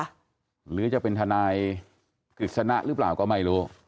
ต้องรอฟังทนายกฤษณะหรือเปล่าก็ไม่รู้